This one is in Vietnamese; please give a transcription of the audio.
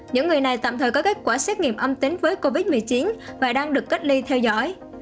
những người này tạm thời có kết quả xét nghiệm âm tính với covid một mươi chín và đang được cách ly theo dõi